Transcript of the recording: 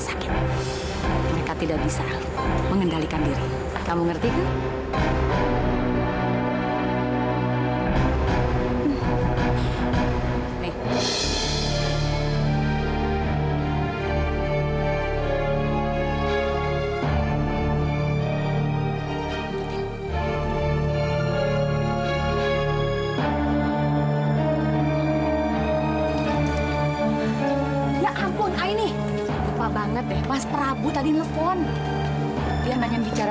sampai jumpa di video selanjutnya